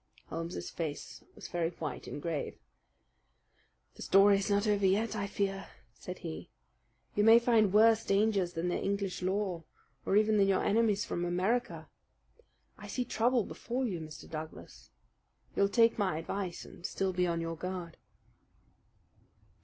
Holmes's face was very white and grave. "The story is not over yet, I fear," said he. "You may find worse dangers than the English law, or even than your enemies from America. I see trouble before you, Mr. Douglas. You'll take my advice and still be on your guard."